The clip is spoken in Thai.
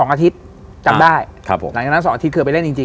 อาทิตย์จำได้ครับผมหลังจากนั้น๒อาทิตเคยไปเล่นจริง